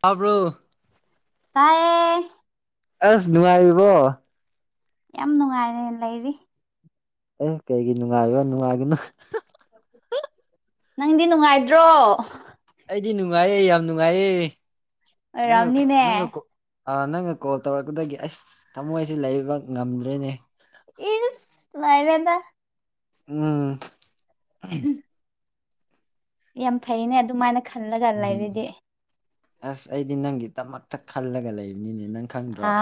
ꯇꯥꯕ꯭ꯔꯣ ꯇꯥꯏꯌꯦ ꯑꯁ ꯅꯨꯡꯉꯥꯏꯔꯤꯕꯣ ꯌꯥꯝ ꯅꯨꯡꯉꯥꯏꯅ ꯂꯩꯔꯤ ꯑꯦ ꯀꯩꯒꯤ ꯅꯨꯡꯉꯥꯏꯔꯤꯕ ꯅꯨꯡꯉꯥꯏꯒꯅꯣ ꯅꯪꯗꯤ ꯅꯨꯡꯉꯥꯏꯗ꯭ꯔꯣ ꯑꯩꯗꯤ ꯅꯨꯡꯉꯥꯏꯌꯦ ꯌꯥꯝ ꯅꯨꯡꯉꯥꯏꯌꯦꯦ ꯑꯣꯏꯔꯝꯅꯤꯅꯦ ꯑ ꯅꯪꯅ ꯀꯣꯜ ꯇꯧꯔꯛꯄꯗꯒꯤ ꯑꯁ ꯊꯃꯣꯏꯁꯦ ꯂꯩꯕ ꯉꯝꯗ꯭ꯔꯦꯅꯦ ꯏꯁ ꯅꯥꯥꯏꯔꯦꯗꯥ ꯎꯝ [unintelligible] ꯌꯥꯝ ꯐꯩꯅꯦ ꯑꯗꯨꯃꯥꯏꯅ ꯈꯜꯂꯒ ꯎꯝ ꯂꯩꯔꯗꯤ ꯑꯁ ꯑꯩꯗꯤ ꯅꯪꯒꯤ ꯇꯃꯛꯇ ꯈꯜꯂꯒ ꯂꯩꯕꯅꯤꯅꯦ ꯅꯪ ꯈꯪꯗ꯭ꯔꯣ ꯑ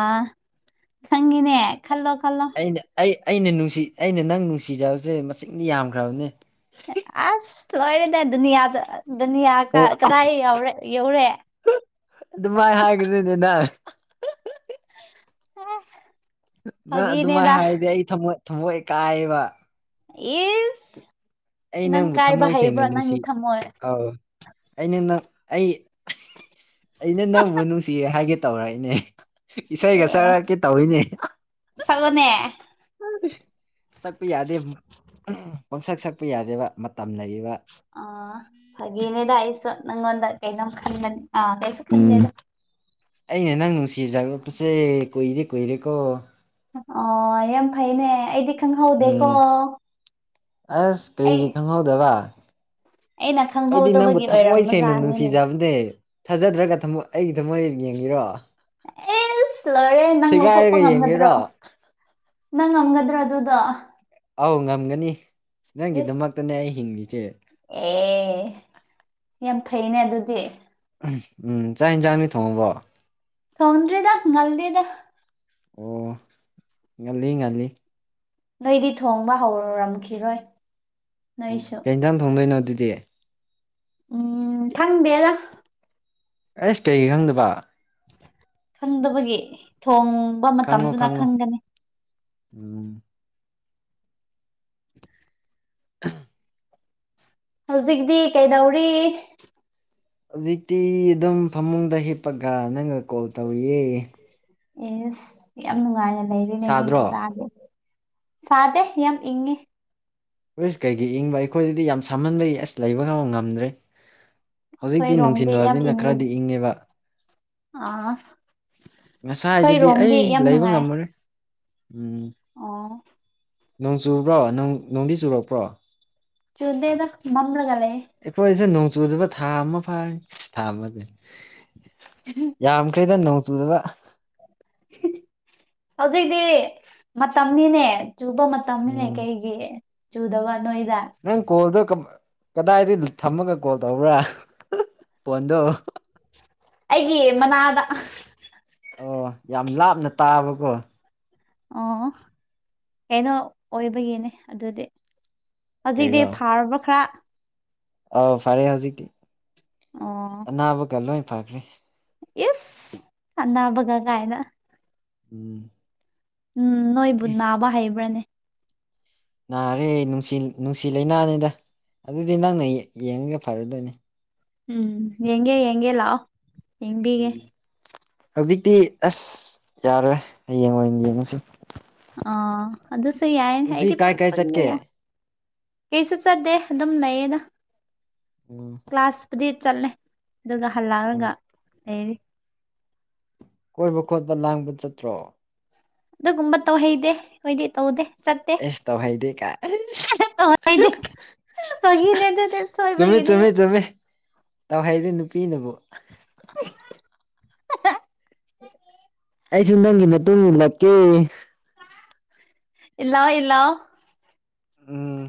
ꯈꯪꯏꯅꯦ ꯈꯜꯂꯣ ꯈꯜꯂꯣ ꯑꯩꯅ ꯑꯩ ꯑꯩꯅ ꯅꯨꯡꯁꯤ ꯑꯩꯅ ꯅꯪ ꯅꯨꯡꯁꯤꯖꯕꯁꯦ ꯃꯁꯤꯡꯗꯤ ꯌꯥꯝꯈ꯭ꯔꯕꯅꯦ ꯑꯁ ꯂꯣꯏꯔꯗ ꯗꯦꯅꯤꯌꯥꯗ ꯗꯨꯅꯤꯌꯥꯀ ꯑꯣ ꯀꯗꯥꯏ ꯑꯁ ꯌꯧꯔꯦ ꯌꯧꯔꯦ ꯑꯗꯨꯃꯥꯏꯅ [unintelligible] ꯅꯪ ꯑꯗꯨꯃꯥꯏꯅ ꯐꯥꯒꯤꯅꯦꯗ ꯍꯥꯏꯔꯗꯤ ꯑꯩ ꯊꯃꯣꯏ ꯊꯃꯣꯏ ꯀꯥꯏꯌꯦꯕ ꯏꯁ ꯑꯩ ꯅꯪ ꯅꯪꯕꯨ ꯀꯥꯏꯕ ꯊꯃꯣꯏ ꯍꯩꯕ꯭ꯔꯣ ꯅꯪꯒꯤ ꯊꯝꯃꯣꯏ ꯑꯩꯅꯅ ꯑꯩ ꯑꯩꯅ ꯅꯪꯕꯨ ꯅꯨꯡꯁꯤꯌꯦ ꯍꯥꯏꯒꯦ ꯇꯧꯔꯛꯏꯅꯦ ꯏꯁꯩꯒ ꯁꯛꯔꯛꯀꯦ ꯇꯧꯏꯅꯦ ꯁꯛꯂꯣꯅꯦ ꯁꯛꯄ ꯌꯥꯗꯦ ꯄꯪꯁꯛ ꯁꯛꯄ ꯌꯥꯗꯦꯕ ꯃꯇꯝ ꯂꯩꯌꯦꯕ ꯑ ꯐꯥꯒꯤꯅꯦꯗ ꯑꯩꯁꯨ ꯅꯪꯉꯣꯟꯗ ꯀꯩꯅꯣꯝ ꯈꯟꯕꯅꯤ ꯑ ꯀꯩꯁꯨ ꯎꯝ ꯈꯟꯗꯦꯗ ꯑꯩꯅ ꯅꯪ ꯅꯨꯡꯁꯤꯖꯔꯛꯄꯁꯦ ꯀꯨꯏꯗꯤ ꯀꯨꯏꯔꯦꯀꯣ ꯑꯣ ꯌꯥꯝ ꯐꯩꯅꯦ ꯑꯩꯗꯤ ꯈꯪꯍꯧꯗꯦꯀꯣ ꯎꯝ ꯑꯁ ꯑꯩ ꯀꯔꯤꯒꯤ ꯈꯪꯍꯧꯗꯕ ꯑꯩꯅ ꯑꯩꯗꯤ ꯅꯪꯕꯨ ꯈꯪꯍꯧꯗꯕꯒꯤ ꯊꯃꯣꯏ ꯑꯣꯏꯔꯝꯕ ꯁꯦꯡꯅ ꯖꯥꯠꯅꯤꯅꯦ ꯅꯨꯡꯁꯤꯖꯕꯅꯦ ꯊꯥꯖꯗ꯭ꯔꯒ ꯊꯃꯣꯏ ꯑꯩꯒꯤ ꯊꯃꯣꯏ ꯌꯦꯡꯒꯦꯔꯣ ꯑꯦꯁ ꯂꯣꯏꯔꯦ ꯅꯪ ꯂꯧꯊꯣꯛꯄ ꯁꯦꯒꯥꯏꯔꯒ ꯉꯝꯒꯗ꯭ꯔꯣ ꯌꯦꯡꯒꯦꯔꯣ ꯅꯪ ꯉꯝꯒꯗ꯭ꯔꯥ ꯑꯗꯨꯗꯣ ꯑꯧ ꯉꯝꯒꯅꯤ ꯏꯁ ꯅꯪꯒꯤꯗꯃꯛꯇꯅꯦ ꯑꯩ ꯍꯤꯡꯂꯤꯁꯦ ꯑꯦ ꯌꯥꯝ ꯐꯩꯅꯦ ꯑꯗꯨꯗꯤ ꯎꯝ ꯆꯥꯛ ꯌꯦꯟꯁꯥꯡꯗꯤ ꯊꯣꯡꯉꯕꯣ ꯊꯣꯡꯗ꯭ꯔꯤꯗ ꯉꯟꯂꯤꯗ ꯑꯣ ꯉꯜꯂꯤ ꯉꯜꯂꯤ ꯅꯣꯏꯗꯤ ꯊꯣꯡꯕ ꯍꯧꯔꯝꯈꯤꯔꯣꯏ ꯎꯝ ꯅꯣꯏꯁꯨ ꯀꯩ ꯏꯟꯖꯥꯡ ꯊꯣꯡꯗꯣꯏꯅꯣ ꯑꯗꯨꯗꯤ ꯎꯝ ꯈꯪꯗꯦꯗ ꯑꯩꯁ ꯀꯩꯒꯤ ꯈꯪꯗꯕ ꯈꯪꯗꯕꯒꯤ ꯊꯣꯡ ꯈꯡꯉꯣ ꯈꯡꯉꯣ ꯎꯝ ꯑꯍꯝ ꯍꯧꯖꯤꯛꯇꯤ ꯀꯩꯗꯧꯔꯤ ꯍꯧꯖꯤꯛꯇꯤ ꯑꯗꯨꯝ ꯐꯃꯨꯡꯗ ꯍꯤꯞꯄꯒ ꯅꯪꯒ ꯀꯣꯜ ꯇꯧꯔꯤꯌꯦ ꯑꯦꯁ ꯌꯥꯝ ꯅꯨꯡꯉꯥꯏꯅ ꯂꯩꯔꯤꯅꯦ ꯃꯤ ꯁꯥꯗ꯭ꯔꯣ ꯃꯆꯥꯗꯤ ꯁꯥꯗꯦ ꯌꯥꯝ ꯏꯪꯉꯤ ꯏꯁ ꯀꯩꯒꯤ ꯏꯪꯕ ꯑꯩꯈꯣꯏꯗꯗꯤ ꯌꯥꯝ ꯁꯥꯝꯍꯟꯕꯒꯤ ꯑꯁ ꯂꯩꯕ ꯐꯥꯎ ꯉꯝꯗ꯭ꯔꯦ ꯍꯧꯖꯤꯛꯇꯤ ꯑꯩꯈꯣꯏꯔꯣꯝꯗꯤ ꯅꯨꯡꯊꯤꯟ ꯌꯥꯝ ꯑꯣꯏꯕꯅꯤꯅ ꯏꯪꯕꯒꯤ ꯈꯔꯗꯤ ꯏꯪꯉꯦꯕ ꯑꯥ ꯉꯁꯥꯏꯗꯗꯤ ꯑꯩꯈꯣꯏꯔꯣꯝꯗꯤ ꯑꯩ ꯌꯥꯝ ꯂꯩꯕ ꯅꯨꯡꯉꯥꯏ ꯉꯝꯃꯔꯣꯏ ꯎꯝ ꯑꯣ ꯅꯣꯡ ꯆꯨꯕ꯭ꯔꯣ ꯅꯣꯡ ꯅꯣꯡꯗꯤ ꯆꯨꯔꯛꯄ꯭ꯔꯣ ꯆꯨꯗꯦꯗ ꯃꯝꯔꯒ ꯂꯩ ꯑꯩꯈꯣꯏꯁꯨ ꯅꯣꯡ ꯆꯨꯗꯕ ꯊꯥ ꯑꯃ ꯐꯥꯔꯦ ꯊꯥꯕꯗꯤ [unintelligible] ꯌꯥꯝꯈ꯭ꯔꯦꯗ ꯅꯣꯡ ꯆꯨꯗꯕ ꯍꯧꯖꯤꯛꯇꯤ ꯃꯇꯝꯅꯤꯅꯦ ꯆꯨꯕ ꯃꯇ ꯇꯝꯅꯤꯅꯦ ꯎꯝ ꯀꯩꯒꯤ ꯆꯨꯗꯕ ꯅꯣꯏꯗ ꯅꯪ ꯀꯣꯜꯗꯣ ꯀꯗꯥꯏꯗ ꯊꯝꯃꯒ ꯀꯣꯜ ꯇꯧꯕ꯭ꯔꯥ ꯄꯣꯟꯗꯣ ꯑꯩꯒꯤ ꯃꯅꯥꯗ ꯑꯣ ꯌꯥꯝ ꯂꯥꯞꯅ ꯇꯥꯕꯀꯣ ꯑꯣ ꯀꯩꯅꯣ ꯑꯣꯏꯕꯒꯤꯅꯦ ꯑꯗꯨꯗꯤ ꯍꯧꯖꯤꯛꯗꯤ ꯀꯩꯔꯣ ꯐꯥꯔꯕ ꯈꯔ ꯑꯧ ꯐꯔꯦ ꯍꯧꯖꯤꯛꯇꯤ ꯑꯣ ꯑꯅꯥꯕꯒ ꯂꯣꯏ ꯐꯈ꯭ꯔꯦ ꯏꯁ ꯑꯅꯥꯕꯒ ꯀꯥꯏꯅ ꯎꯝ ꯎꯝ ꯅꯣꯏꯕꯨ ꯅꯥꯕ ꯍꯩꯕ꯭ꯔꯅꯦ ꯅꯥꯔꯦ ꯅꯨꯡꯁꯤ ꯅꯨꯡꯁꯤ ꯂꯩꯅꯥꯅꯤꯗ ꯑꯗꯨꯗꯤ ꯅꯪꯅ ꯌꯦꯡꯉ ꯌꯦꯡꯉꯒ ꯐꯒꯗꯣꯏꯅꯤ ꯎꯝ ꯌꯦꯡꯒꯦ ꯌꯦꯡꯒꯦ ꯂꯥꯛꯑꯣ ꯎꯝ ꯌꯦꯡꯕꯤꯒꯦ ꯍꯧꯖꯤꯛꯇꯤ ꯑꯁ ꯌꯥꯔꯣꯏ ꯍꯌꯦꯡ ꯑꯣꯏꯅ ꯌꯦꯡꯉꯁꯤ ꯑꯥ ꯑꯗꯨꯁꯨ ꯌꯥꯏ ꯉꯁꯤ ꯑꯩꯗꯤ ꯀꯥꯏ ꯀꯥꯏ ꯆꯠꯀꯦ [unintelligible] ꯀꯩꯁꯨ ꯆꯠꯗꯦ ꯑꯗꯨꯝ ꯂꯩꯌꯦꯗ ꯎꯝ ꯀ꯭ꯂꯥꯁꯄꯨꯗꯤ ꯆꯠꯂꯦ ꯑꯗꯨꯒ ꯍꯜꯂꯛꯑꯒ ꯑꯣ ꯂꯩꯔꯤ ꯀꯣꯏꯕ ꯈꯣꯠꯄ ꯂꯥꯡꯕ ꯆꯠꯇ꯭ꯔꯣ ꯑꯗꯨꯒꯨꯝꯕ ꯇꯧꯍꯩꯗꯦ ꯑꯩꯈꯣꯏꯗꯤ ꯇꯧꯗꯦ ꯆꯠꯇꯦ ꯑꯁ ꯇꯧꯍꯦꯀꯥꯏ ꯇꯧꯍꯩꯗꯦ ꯐꯥꯒꯤꯅꯦ ꯑꯗꯨꯗꯤ [unintelligible] ꯆꯨꯝꯃꯦ ꯁꯣꯏꯕꯒꯤꯅꯦ ꯆꯨꯝꯃꯦ ꯆꯨꯝꯃꯦ ꯇꯧꯍꯩꯗꯦ ꯅꯨꯄꯤꯅꯕꯨ ꯑꯩꯁꯨ ꯅꯪꯒꯤ ꯃꯇꯨꯡ ꯏꯜꯔꯛꯀꯦ ꯏꯜꯔꯣ ꯏꯜꯔꯣ ꯎꯝ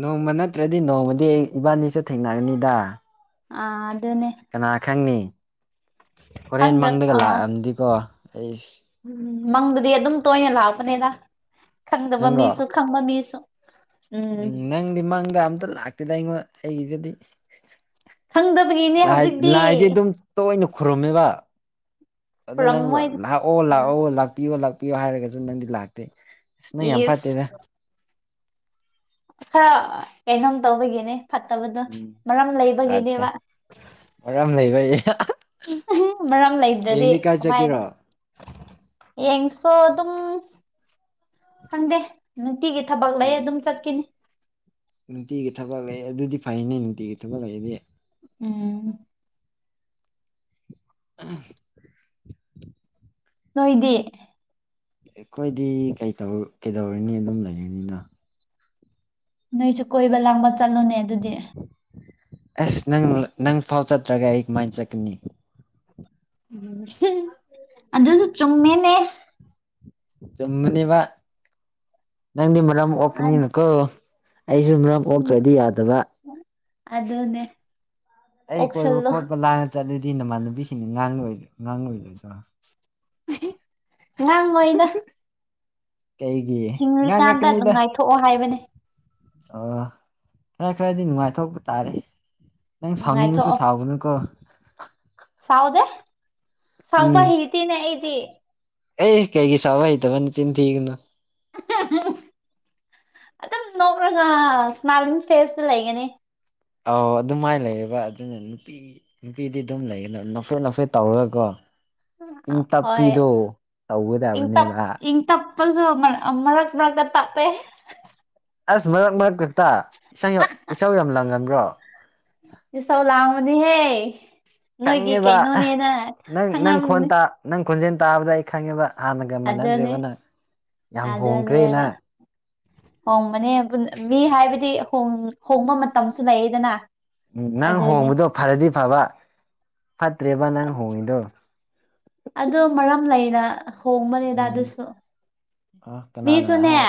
ꯅꯣꯡꯃ ꯅꯠꯇ꯭ꯔꯗꯤ ꯅꯣꯡꯃꯗꯤ ꯑꯩ ꯏꯕꯥꯅꯤꯁꯨ ꯊꯦꯡꯅꯒꯅꯤꯗ ꯑꯥ ꯑꯗꯨꯅꯦ ꯀꯅꯥ ꯈꯪꯅꯤ ꯍꯣꯔꯦꯟ ꯈꯪꯗ ꯃꯪꯗꯒ ꯂꯥꯛꯑꯝꯗꯤꯀꯣ ꯑꯩꯁ ꯎꯝ ꯃꯪꯗꯗꯤ ꯑꯗꯨꯝ ꯇꯣꯏꯅ ꯂꯥꯛꯄꯅꯦꯗ ꯈꯪꯗꯕ ꯅꯪꯔꯣ ꯃꯤꯁꯨ ꯈꯪꯕ ꯃꯤꯁꯨ ꯎꯝ ꯅꯪꯗꯤ ꯃꯪꯗ ꯑꯝꯇ ꯂꯥꯛꯇꯦꯗ ꯑꯩꯉꯣꯟ ꯑꯩꯒꯤꯗꯗꯤ ꯈꯪꯗꯕꯒꯤꯅꯦ ꯂꯥꯏ ꯍꯧꯖꯤꯛꯇꯤ ꯂꯥꯏꯗꯤ ꯑꯗꯨꯝ ꯇꯣꯏꯅ ꯈꯨꯔꯨꯝꯃꯦꯕ ꯑꯗꯣ ꯅꯪ ꯈꯨꯔꯝꯃꯣꯏ ꯂꯥꯛꯑꯣ ꯂꯥꯛꯑꯣ ꯂꯥꯛꯄꯤꯌꯣ ꯂꯥꯛꯄꯤꯌꯣ ꯍꯥꯏꯔꯒꯖꯨ ꯅꯪꯗꯤ ꯂꯥꯛꯇꯦ ꯑꯁ ꯅꯪ ꯌꯥꯝ ꯐꯠꯇꯦꯗ ꯏꯁ ꯈꯔ ꯀꯩꯅꯣꯝ ꯇꯧꯕꯒꯤꯅꯦ ꯐꯠꯇꯕꯗꯣ ꯎꯝ ꯃꯔꯝ ꯑꯠꯆꯥ ꯂꯩꯕꯒꯤꯅꯦꯕ ꯃꯔꯝ ꯂꯩꯕꯩ [unintelligible] ꯃꯔꯝ ꯂꯩꯗ꯭ꯔꯥꯗꯤ ꯍꯌꯦꯡꯗꯤ ꯀꯥꯏ ꯀꯃꯥꯏꯅ ꯆꯠꯀꯦꯔꯣ ꯌꯦꯡꯁꯣ ꯑꯗꯨꯝ ꯈꯪꯗꯦ ꯅꯨꯡꯇꯤꯒꯤ ꯊꯕꯛ ꯂꯩ ꯎꯝ ꯑꯗꯨꯝ ꯆꯠꯈꯤꯅꯤ ꯅꯨꯡꯇꯤꯒꯤ ꯊꯕꯛ ꯂꯩ ꯑꯗꯨꯗꯤ ꯐꯩꯅꯦ ꯅꯨꯡꯇꯤꯒꯤ ꯊꯕꯛ ꯂꯩꯗꯤ ꯎꯝ [inaudible] ꯅꯣꯏꯗꯤ ꯑꯩꯈꯣꯏꯗꯤ ꯀꯩꯇꯧ ꯀꯩꯗꯧꯔꯨꯅꯤ ꯑꯗꯨꯝ ꯂꯩꯔꯤꯅꯤꯅ ꯅꯣꯏꯁꯨ ꯀꯣꯏꯕ ꯂꯥꯡꯕ ꯆꯠꯂꯨꯅꯦ ꯑꯗꯨꯗꯤ ꯑꯁ ꯅꯪ ꯅꯪ ꯐꯥꯎ ꯆꯠꯇ꯭ꯔꯒ ꯑꯩ ꯀꯃꯥꯏꯅ ꯆꯠꯀꯅꯤ ꯎꯝ ꯑꯗꯨꯁꯨ ꯆꯨꯝꯃꯤꯅꯦ ꯆꯨꯝꯕꯅꯦꯕ ꯅꯪꯗꯤ ꯃꯔꯝ ꯑꯣꯄꯅꯤꯅꯀꯣ ꯑꯩꯁꯨ ꯃꯔꯝ ꯄꯣꯛꯇ꯭ꯔꯥꯗꯤ ꯌꯥꯗꯕ ꯑꯗꯨꯅꯦ ꯑꯩ ꯀꯣꯏꯕ ꯑꯣꯛꯁꯜꯂꯣ ꯈꯣꯠꯄ ꯂꯥꯡꯅ ꯆꯠꯂꯗꯤ ꯅꯃꯥꯟꯅꯕꯤꯁꯤꯡꯅ ꯉꯥꯡ ꯉꯥꯡꯂꯣꯏꯗ꯭ꯔꯣ ꯉꯥꯡꯉꯣꯏꯗ ꯀꯩꯒꯤ ꯍꯤꯡꯂꯤꯀꯥꯟꯗ ꯉꯥꯡꯉꯛꯀꯅꯤꯗ ꯅꯨꯡꯉꯥꯏꯊꯣꯛꯑꯣ ꯍꯥꯏꯕꯅꯦ ꯑꯣ ꯈꯔ ꯈꯔꯗꯤ ꯅꯨꯡꯉꯥꯏꯊꯣꯛꯄ ꯇꯥꯔꯦ ꯅꯪ ꯁꯥꯎꯅꯤꯡꯉꯁꯨ ꯅꯨꯡꯉꯥꯏꯊꯣꯛꯑꯣ ꯁꯥꯎꯒꯅꯨꯀꯣ ꯁꯥꯎꯗꯦ ꯁꯥꯎꯕ ꯍꯩꯇꯦꯅꯦ ꯑꯩꯗꯤ ꯑꯦ ꯀꯩꯒꯤ ꯁꯥꯎꯕ ꯍꯩꯇꯕ ꯆꯤꯟ ꯊꯤꯒꯅꯨ ꯑꯗꯨꯝ ꯅꯣꯛꯂꯒ ꯏꯁꯃꯥꯏꯂꯤꯡ ꯐꯦꯁꯇ ꯂꯩꯒꯅꯤ ꯑꯧ ꯑꯗꯨꯃꯥꯏꯅ ꯂꯩꯌꯦꯕ ꯑꯗꯨꯅ ꯅꯨꯄꯤ ꯅꯨ ꯅꯨꯄꯤꯗꯤ ꯑꯗꯨꯝ ꯂꯩꯒꯅꯨ ꯅꯣꯛꯐꯦꯠ ꯅꯣꯛꯐꯦꯠ ꯇꯧꯔꯒꯀꯣ ꯏꯪ ꯍꯣꯏ ꯇꯞꯄꯤꯗꯣ ꯏꯪ ꯇꯞ ꯇꯧꯒꯗꯕꯅꯦꯕ [unintelligible] ꯃꯔꯛ ꯃꯔꯛꯇ ꯇꯠꯂꯦ ꯑꯁ ꯃꯔꯛ ꯃꯔꯛ ꯈꯛꯇ ꯏꯁꯩꯌꯥ ꯏꯁꯧ ꯌꯥꯝ ꯂꯪꯒꯟꯕ꯭ꯔꯣ ꯏꯆꯧ ꯂꯥꯡꯕꯅꯦꯍꯦ ꯅꯣꯏꯒꯤ ꯈꯪꯉꯦꯕ ꯀꯩꯅꯣꯅꯦꯅ ꯈꯪꯉꯝꯅꯤ ꯇꯠ ꯅꯪ ꯈꯣꯟꯖꯦꯟ ꯇꯥꯕꯗ ꯑꯩ ꯈꯪꯉꯦꯕ ꯍꯥꯟꯅꯒ ꯑꯗꯨꯅꯤ ꯃꯥꯟꯅꯗ꯭ꯔꯦꯕ ꯅꯪ ꯌꯥꯝ ꯍꯣꯡꯈ꯭ꯔꯦ ꯑꯗꯨꯅꯦꯕ ꯅꯪ ꯍꯣꯡꯕꯅꯦ ꯄꯨꯟ ꯃꯤ ꯍꯥꯏꯕꯗꯤ ꯍꯣꯡ ꯍꯣꯡꯕ ꯃꯇꯝꯁꯨ ꯂꯩꯌꯦꯗꯅ ꯎꯝ ꯅꯪ ꯑꯗꯨꯅꯦ ꯍꯣꯡꯕꯗꯣ ꯐꯔꯗꯤ ꯐꯕ ꯐꯠꯇ꯭ꯔꯦꯕ ꯅꯪ ꯍꯣꯡꯉꯤꯗꯣ ꯑꯗꯣ ꯃꯔꯝ ꯂꯩꯅ ꯊꯣꯡꯕꯅꯦꯗ ꯎꯝ ꯑꯗꯨꯁꯨ ꯑ ꯀꯅꯥꯅ ꯃꯤꯁꯨꯅꯦ ꯍꯥꯏ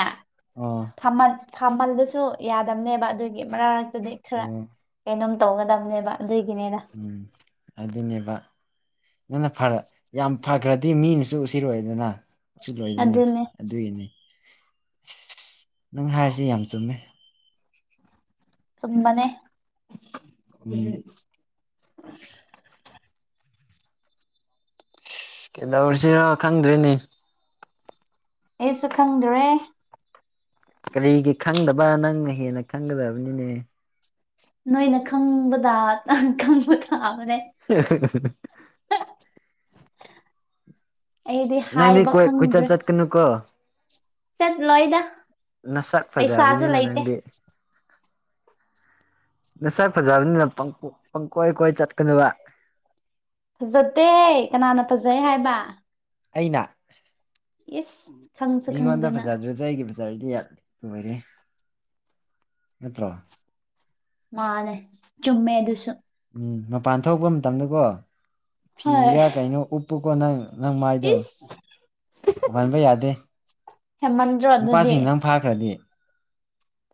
ꯑꯣ ꯊꯥꯃꯜ ꯊꯥꯃꯜꯂꯁꯨ ꯌꯥꯗꯕꯅꯦꯕ ꯑꯗꯨꯒꯤ ꯃꯔꯛꯇꯨꯗꯤ ꯈꯔ ꯑꯣ ꯀꯩꯅꯣꯝ ꯇꯧꯒꯗꯕꯅꯦꯕ ꯑꯗꯨꯒꯤꯅꯦꯗ ꯎꯝ ꯑꯗꯨꯅꯦꯕ ꯅꯪꯅ ꯐꯅ ꯌꯥꯝ ꯐꯈ꯭ꯔꯗꯤ ꯃꯤꯅꯁꯨ ꯎꯁꯤꯔꯣꯏꯗꯅ ꯎꯁꯤꯜꯂꯣꯏ ꯑꯗꯨꯅꯦ [unintelligible] ꯑꯗꯨꯒꯤꯅꯤ ꯑꯁ ꯅꯪ ꯍꯥꯏꯔꯤꯁꯤ ꯌꯥꯝ ꯆꯨꯝꯃꯦ ꯆꯨꯝꯕꯅꯦ ꯎꯝ ꯏꯁ ꯀꯩꯗꯧꯁꯤꯔꯣ ꯈꯪꯗ꯭꯭ꯔꯦꯅꯦ ꯑꯩꯁꯨ ꯈꯪꯗꯔꯦ ꯀꯔꯤꯒꯤ ꯈꯪꯗꯕ ꯅꯪꯅ ꯍꯦꯟꯅ ꯈꯪꯒꯗꯕꯅꯤꯅꯦ ꯅꯣꯏꯅ ꯈꯪꯕꯗ ꯈꯪꯕ ꯇꯥꯕꯅꯦ [unintelligible] ꯑꯩꯗꯤ ꯅꯪꯗꯤ ꯍꯥꯏꯕ ꯀꯣꯏ ꯀꯣꯏꯆꯠ ꯈꯪꯗ꯭ꯔꯦ ꯆꯠꯀꯅꯨ ꯀꯣ ꯆꯠꯂꯣꯏꯗ ꯅꯁꯛ ꯄꯩꯁꯥꯁꯨ ꯐꯖꯕꯅꯤꯅ ꯂꯩꯇꯦ ꯅꯪꯗꯤ ꯃꯁꯛ ꯐꯖꯕꯅꯤꯅ ꯄꯪꯀꯣ ꯄꯪꯀꯣꯏ ꯀꯣꯏ ꯆꯠꯀꯅꯣꯕ ꯐꯖꯗꯦ ꯀꯅꯥꯅ ꯐꯖꯩ ꯍꯥꯏꯕ ꯑꯩꯅ ꯏꯁ ꯈꯪꯁꯨ ꯃꯤꯉꯣꯟꯗ ꯈꯪꯗꯅ ꯐꯖꯗ꯭ꯔ ꯖꯨ ꯑꯩꯒꯤ ꯐꯖꯥꯔꯗꯤ ꯌꯥꯠ ꯂꯣꯏꯔꯦ ꯅꯠꯇ꯭ꯔꯣ ꯃꯥꯅꯦ ꯆꯨꯝꯃꯦ ꯑꯗꯨꯁꯨ ꯎꯝ ꯃꯄꯥꯟ ꯊꯣꯛꯄ ꯃꯇꯝꯗꯀꯣ ꯍꯣꯏ ꯐꯤꯔꯥ ꯀꯩꯅꯣ ꯎꯞꯄꯨꯀꯣ ꯅꯪ ꯅꯪ ꯃꯥꯏꯗꯣ ꯏꯁ ꯎꯍꯟꯕ ꯌꯥꯗꯦ ꯍꯦꯃꯟꯗ꯭ꯔꯣ ꯑꯗꯨꯗꯤ ꯅꯨꯄꯥꯁꯤꯡ ꯅꯪ ꯐꯥꯈ꯭ꯔꯗꯤ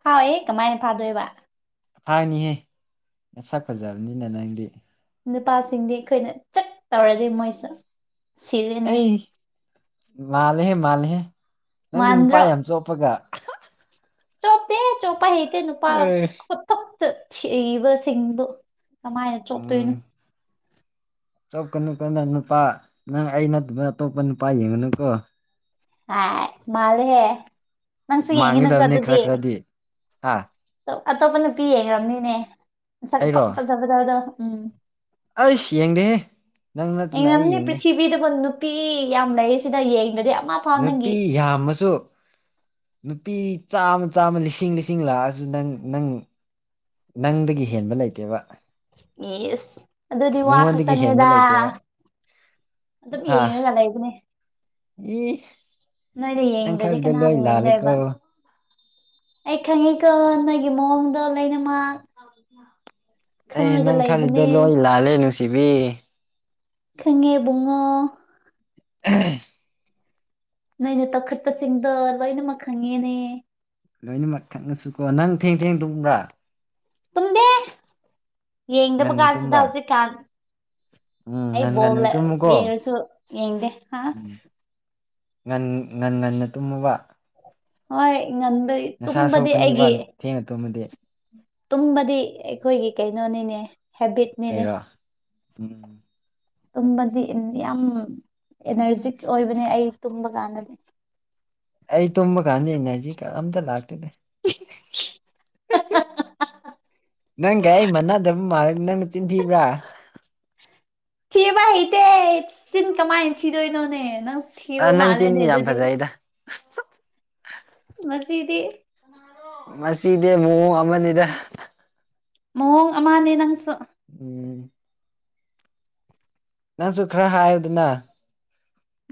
ꯍꯥꯌꯦ ꯀꯃꯥꯏꯅ ꯐꯥꯗꯣꯏꯕ ꯐꯥꯏꯅꯤꯍꯦ ꯅꯁꯛ ꯐꯖꯕꯅꯤꯅ ꯅꯪꯗꯤ ꯅꯨꯄꯥꯁꯤꯡꯗꯤ ꯑꯩꯈꯣꯏꯅ ꯆꯞ ꯇꯧꯔꯗꯤ ꯃꯣꯏꯁꯨ ꯁꯤꯔꯦꯅꯦ ꯑꯩ ꯃꯥꯜꯂꯦꯍꯦ ꯃꯥꯜꯂꯦꯍꯦ ꯅꯪꯗꯤ ꯅꯨꯄꯥ ꯃꯥꯟꯗ꯭ꯔꯣ ꯌꯥꯝ ꯆꯣꯞꯄꯒ ꯆꯣꯞꯇꯦ ꯆꯣꯞꯄ ꯍꯩꯇꯦ ꯅꯨꯄꯥ ꯑꯦ ꯈꯨꯇꯛꯇ ꯊꯤꯕꯁꯤꯡꯕꯨ ꯀꯃꯥꯏꯅ ꯆꯣꯛꯇꯣꯏꯅꯣ ꯎꯝ ꯆꯣꯞꯀꯅꯨꯀꯣ ꯅꯪ ꯅꯨꯄꯥ ꯅꯪ ꯑꯩ ꯅꯠꯇꯕ ꯑꯇꯣꯞꯄ ꯅꯨꯄꯥ ꯌꯦꯡꯉꯅꯨꯀꯣ ꯑꯥꯏꯁ ꯃꯥꯥꯜꯂꯦꯍꯦ ꯅꯪꯁꯨ ꯌꯦꯡꯒꯅꯨꯀꯣ ꯃꯥꯟꯒꯗꯕꯅꯤ ꯈꯔ ꯑꯗꯨꯗꯤ ꯈꯔꯗꯤ ꯍꯥ ꯑꯗꯣ ꯑꯇꯣꯞꯄ ꯅꯨꯄꯤ ꯌꯦꯡꯒ꯭ꯔꯕꯅꯤꯅꯦ ꯃꯁꯛ ꯑꯩꯔꯣ ꯐꯠ ꯐꯖꯕꯗꯣꯗꯣ ꯎꯝ ꯑꯩꯁ ꯌꯦꯡꯗꯦꯍꯦ ꯅꯪ ꯅꯠꯇꯅ ꯑꯩ ꯌꯦꯡꯔꯝꯅꯤ ꯌꯦꯡꯗꯦ ꯄ꯭ꯔꯤꯊꯤꯕꯤꯗꯕꯨ ꯅꯨꯄꯤ ꯌꯥꯝ ꯂꯩꯔꯤ ꯁꯤꯗ ꯌꯦꯡꯗ꯭ꯔꯗꯤ ꯑꯃ ꯅꯨꯄꯤ ꯌꯥꯝꯃꯁꯨ ꯅꯨꯄꯤ ꯆꯥꯝꯃ ꯆꯥꯝꯃ ꯂꯤꯁꯤꯡ ꯂꯤꯁꯤꯡ ꯂꯥꯛꯑꯁꯨ ꯅꯪ ꯅꯪ ꯅꯪꯗꯒꯤ ꯍꯦꯟꯕ ꯂꯩꯇꯦꯕ ꯏꯁ ꯑꯗꯨꯗꯤ ꯋꯥ ꯅꯪꯉꯣꯟꯗꯒꯤ ꯍꯦꯟꯕ ꯈꯛꯇꯅꯦꯗ ꯂꯩꯇꯦꯕ ꯑꯗꯨꯝ ꯍꯥ ꯌꯦꯡꯉꯒ ꯂꯩꯕꯅꯦ ꯏ ꯅꯣꯏꯗ ꯅꯪ ꯌꯦꯡꯗ꯭ꯔꯥꯗꯤ ꯈꯜꯂꯤꯗꯣ ꯂꯣꯏ ꯀꯥꯅꯕꯨ ꯂꯥꯜꯂꯤꯀꯣ ꯌꯦꯡꯗꯣꯏꯕ꯫ ꯑꯩ ꯈꯪꯉꯤꯀꯣ ꯅꯣꯏꯒꯤ ꯃꯑꯣꯡꯗꯣ ꯂꯣꯏꯅꯃꯛ꯫ ꯑꯩ ꯈꯪꯔꯒ ꯅꯪ ꯈꯜꯂꯤꯗ ꯂꯩꯕꯅꯦ ꯂꯣꯏ ꯂꯥꯜꯂꯦ ꯅꯨꯡꯁꯤꯕꯤ꯫ ꯈꯪꯉꯦ ꯕꯨꯡꯉꯣ꯫ [unintelligible] ꯅꯣꯏꯅ ꯇꯧꯈꯠꯄꯁꯤꯡꯗꯣ ꯂꯣꯏꯅꯃꯛ ꯈꯪꯉꯦꯅꯦ꯫ ꯂꯣꯏꯅꯃꯛ ꯈꯪꯉꯁꯨꯀꯣ꯫ ꯅꯪ ꯊꯦꯡ ꯊꯦꯡ ꯇꯨꯝꯕ꯭ꯔꯥ? ꯇꯨꯝꯗꯦ꯫ ꯌꯦꯡꯗꯕ ꯉꯟ ꯀꯥꯟꯁꯤꯗ ꯇꯨꯝꯕ꯭ꯔꯥ ꯍꯧꯖꯤꯛꯀꯥꯟ꯫ ꯎꯝ ꯑꯩ ꯉꯟ ꯉꯟꯅ ꯕꯣꯜꯂ ꯇꯨꯝꯃꯨꯀꯣ ꯌꯦꯡꯔꯁꯨ ꯌꯦꯡꯗꯦ ꯍꯥ ꯎꯝ ꯉꯟ ꯉꯟ ꯉꯟꯅ ꯇꯨꯝꯃꯣꯕ꯫ ꯍꯣꯏ ꯉꯟꯗ ꯇꯨꯝꯕꯗꯤ ꯁꯣꯛꯀꯅꯤꯕ ꯑꯩꯒꯤ ꯊꯦꯡꯅ ꯇꯨꯝꯃꯗꯤ꯫ ꯇꯨꯝꯕꯗꯤ ꯑꯩꯈꯣꯏꯒꯤ ꯀꯩꯅꯣꯅꯤꯅꯦ ꯍꯦꯕꯤꯠꯅꯤꯅꯦ꯫ ꯀꯩꯔꯣ ꯎꯝ ꯇꯨꯝꯕꯗꯤ ꯌꯥꯝ ꯑꯦꯅꯔꯖꯤꯛ ꯑꯣꯏꯕꯅꯦ ꯑꯩ ꯇꯨꯝꯕ ꯀꯥꯟꯗꯗꯤ꯫ ꯑꯩ ꯇꯨꯝꯕ ꯀꯥꯟꯗ ꯑꯦꯅꯔꯖꯤ ꯑꯝꯇ ꯂꯥꯛꯇꯦꯅꯦ꯫ ꯅꯪꯒ ꯑꯩ ꯃꯥꯟꯅꯗꯕ ꯃꯥꯜꯂꯦ꯫ ꯅꯪ ꯅꯆꯤꯟ ꯊꯤꯕ꯭ꯔꯥ? ꯊꯤꯕ ꯍꯩꯇꯦ ꯆꯤꯟ ꯀꯃꯥꯏꯅ ꯊꯤꯗꯣꯏꯅꯣꯅꯦ ꯅꯪꯁꯨ ꯑꯥ ꯊꯤꯕ ꯅꯪ ꯃꯥꯜꯂꯦꯅꯦ ꯆꯤꯟꯗꯤ ꯌꯥꯝ ꯑꯗꯨꯗꯤ꯫ ꯐꯖꯩꯗ ꯃꯁꯤꯗꯤ꯫ ꯃꯁꯤꯗꯤ ꯃꯑꯣꯡ ꯑꯃꯅꯤꯗ꯫ ꯃꯑꯣꯡ ꯑꯃꯅꯦ ꯅꯪꯁꯨ꯫ ꯎꯝ ꯅꯪꯁꯨ ꯈꯔ ꯍꯥꯏꯌꯨꯗꯅ꯫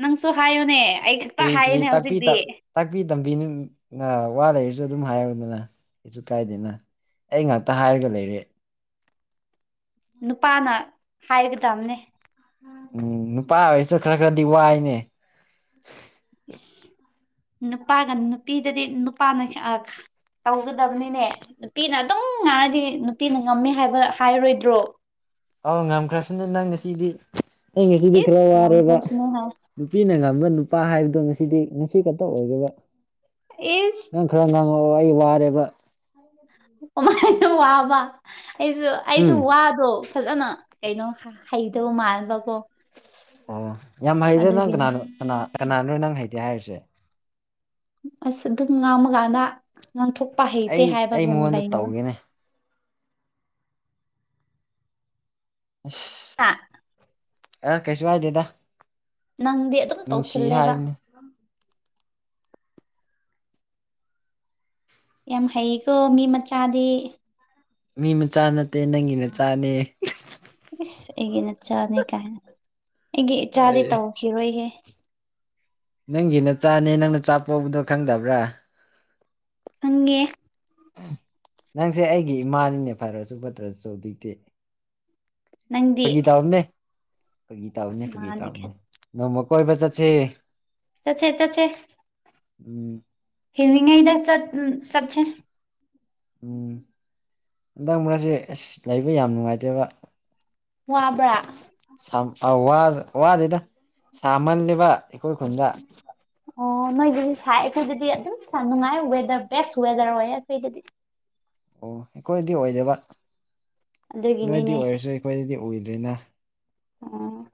ꯅꯪꯁꯨ ꯍꯥꯏꯌꯨꯅꯦ ꯑꯩ ꯈꯛꯇ ꯀꯔꯤ ꯀꯔꯤ ꯍꯥꯏꯌꯦꯅꯦ ꯇꯥꯛꯄꯤ ꯍꯧꯖꯤꯛꯇꯤ꯫ ꯇꯥꯛꯄꯤ ꯇꯝꯕꯤꯅ ꯋꯥ ꯂꯩꯔꯁꯨ ꯑꯗꯨꯝ ꯍꯥꯏꯌꯨꯗꯅ꯫ ꯀꯩꯁꯨ ꯀꯥꯏꯗꯦꯅ ꯑꯩ ꯉꯥꯛꯇ ꯍꯥꯏꯔꯒ ꯂꯩꯔꯦ꯫ ꯅꯨꯄꯥꯅ ꯍꯥꯏꯒꯗꯕꯅꯦ꯫ ꯎꯝ ꯅꯨꯄꯥ ꯑꯣꯏꯔꯁꯨ ꯈꯔ ꯈꯔꯗꯤ ꯋꯥꯏꯅꯦ꯫ ꯏꯁ ꯅꯨꯄꯥꯒ ꯅꯨꯄꯤꯗꯗꯤ ꯅꯨꯄꯥꯅ ꯇꯧꯒꯗꯕꯅꯤꯅꯦ ꯅꯨꯄꯤꯅ ꯑꯗꯨꯝ ꯉꯥꯏꯔꯗꯤ ꯅꯨꯄꯤꯅ ꯉꯝꯃꯦ ꯍꯥꯏꯕ ꯍꯥꯏꯔꯣꯏꯗ꯭ꯔꯣ? ꯑꯥꯎ ꯉꯝꯈ꯭ꯔꯁꯨꯅ ꯅꯪ ꯉꯁꯤꯗꯤ ꯑꯩ ꯉꯁꯤꯗꯤ ꯈꯔ ꯏꯁ ꯋꯥꯔꯦꯕ꯫ ꯉꯝꯈ꯭ꯔꯁꯅꯨ ꯍꯥꯏ ꯅꯨꯄꯤꯅ ꯉꯝꯕ ꯅꯨꯄꯥ ꯍꯥꯏꯕꯗꯣ ꯉꯁꯤꯗꯤ ꯉꯁꯤ ꯈꯛꯇ ꯑꯣꯏꯗꯕ꯫ ꯏꯁ ꯅꯪ ꯈꯔ ꯉꯥꯡꯉꯛꯑꯣ ꯑꯩ ꯋꯥꯔꯦꯕ꯫ ꯀꯃꯥꯏꯅꯣ ꯋꯥꯕ ꯑꯩꯁꯨ ꯑꯩꯁꯨ ꯎꯝ ꯋꯥꯗ꯭ꯔꯣ꯫ ꯐꯖꯅ ꯀꯩꯅꯣ ꯍꯩꯗꯧ ꯃꯥꯟꯕ ꯀꯣ꯫ ꯑꯣ ꯌꯥꯝ ꯍꯩꯔꯦ ꯅꯪ ꯀꯅꯥ ꯀꯅꯥ ꯀꯅꯥꯅꯣ ꯅꯪ ꯍꯩꯇꯦ ꯍꯥꯏꯔꯤꯁꯦ? ꯑꯁ ꯑꯗꯨꯝ ꯉꯥꯡꯃꯀꯥꯟꯗ ꯉꯥꯡꯊꯣꯛꯄ ꯍꯩꯇꯦ ꯑꯩ ꯑꯩ ꯍꯥꯏꯕꯒꯨꯝ ꯃꯉꯣꯟꯗ ꯂꯩꯅꯦꯕ꯫ ꯇꯧꯒꯦꯅꯦ ꯍꯥ [unintelligible] ꯑ ꯀꯩꯁꯨ ꯍꯥꯏꯗꯦꯗ꯫ ꯅꯪꯗꯤ ꯑꯗꯨꯝ ꯅꯨꯡꯁꯤ ꯇꯧꯁꯤꯜꯂꯦꯕ꯫ ꯍꯥꯏꯕꯅꯤ ꯌꯥꯝ ꯍꯩꯀꯣ ꯃꯤ ꯃꯆꯥꯗꯤ꯫ ꯃꯤ ꯃꯆꯥ ꯅꯠꯇꯦ ꯅꯪꯒꯤ ꯅꯆꯥꯅꯦ꯫ ꯏꯁ ꯑꯩꯒꯤ ꯅꯆꯥꯅꯦ ꯀꯥꯏꯅ ꯑꯩꯒꯤ ꯏꯆꯥꯗꯤ ꯑꯦ ꯇꯧꯈꯤꯔꯣꯏꯍꯦ꯫ ꯅꯪꯒꯤ ꯅꯆꯥꯅꯤ꯫ ꯅꯪꯅ ꯅꯆꯥ ꯄꯣꯛꯄꯗꯣ ꯈꯪꯗꯕ꯭ꯔꯥ? ꯈꯪꯉꯦ꯫ ꯅꯪꯁꯦ ꯑꯩꯒꯤ ꯏꯃꯥꯅꯤꯅꯦ ꯐꯔꯁꯨ ꯐꯠꯇ꯭ꯔꯁꯨ ꯍꯧꯖꯤꯛꯇꯤ꯫ ꯅꯪꯗꯤ ꯐꯒꯤ ꯇꯧꯕꯅꯦ꯫ ꯐꯒꯤ ꯇꯧꯕꯅꯦ ꯐꯒꯤ ꯃꯥꯅꯤ ꯇꯧꯕꯅꯦ ꯅꯣꯡꯃ ꯀꯣꯏꯕ ꯆꯠꯁꯦ꯫ ꯆꯠꯁꯦ ꯆꯠꯁꯦ꯫ ꯎꯝ꯫ ꯍꯤꯡꯂꯤꯉꯩꯗ ꯆꯠ ꯎ ꯆꯠꯁꯦ꯫ ꯎꯝ ꯍꯟꯗꯛ ꯃꯔꯛꯁꯦ ꯑꯁ ꯂꯩꯕ ꯌꯥꯝ ꯅꯨꯡꯉꯥꯏꯇꯦꯕ꯫ ꯋꯥꯕ꯭ꯔꯥ [inaudible] ꯁꯥꯝ ꯑ ꯋꯥꯁ ꯋꯥꯗꯦꯗ ꯁꯥꯃꯜꯂꯦꯕ ꯑꯩꯈꯣꯏ ꯈꯨꯟꯗ꯫ ꯑꯣ ꯅꯣꯏꯗꯗꯤ ꯁꯥꯏ ꯑꯩꯈꯣꯏꯗꯗꯤ ꯑꯗꯨꯝ ꯁꯥ ꯅꯨꯡꯉꯥꯏ ꯋꯦꯗꯔ ꯕꯦꯁ ꯋꯦꯗꯔ ꯑꯣꯏꯌꯦ ꯑꯩꯈꯣꯏꯗꯗꯤ꯫ ꯑꯣ ꯑꯩꯈꯣꯏꯗꯤ ꯑꯣꯏꯗꯕ ꯅꯣꯏꯗꯤ ꯑꯗꯨꯒꯤꯅꯤꯅꯦ ꯑꯣꯏꯔꯁꯨ ꯑꯩꯈꯣꯏꯗꯗꯤ ꯎꯗ꯭ꯔꯦꯅ꯫ ꯑꯣ꯫